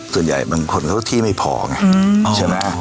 ส่วนใหญ่บางคนเขาที่ไม่พอไง